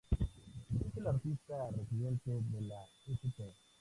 Es el artista residente de la "St.